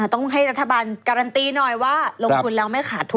ต้องให้รัฐบาลการันตีหน่อยว่าลงทุนแล้วไม่ขาดทุน